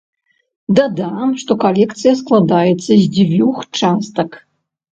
Дадам, што калекцыя складаецца з дзвюх частак.